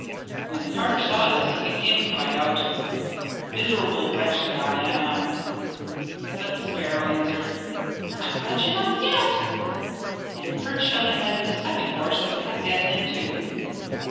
When the carter saw this, he again cried out, 'Miserable wretch that I am!' But the sparrow answered, 'Not wretch enough yet!' and perched on the head of the second horse, and pecked at him too.